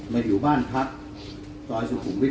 มาอยู่บ้านพักจอยสุขุมวิธ๖๙